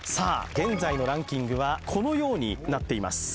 現在のランキングはこのようになっています